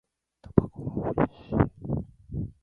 卵はおいしい